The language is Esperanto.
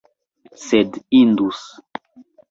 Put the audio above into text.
Sed indus!